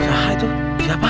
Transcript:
sehat itu siapa